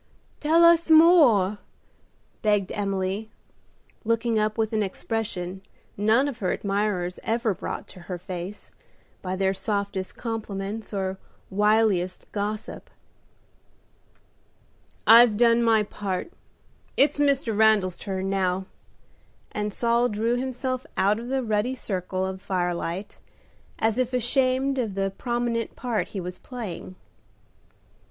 "Tell us more;" begged Emily, looking up with an expression none of her admirers ever brought to her face by their softest compliments or wiliest gossip. "I've done my part. It's Mr. Randal's turn now;" and Saul drew himself out of the ruddy circle of firelight, as if ashamed of the prominent part he was playing.